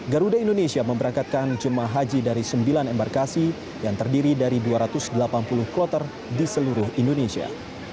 garuda indonesia memberangkatkan jemaah haji dari sembilan embarkasi yang terdiri dari dua ratus delapan puluh kloter di seluruh indonesia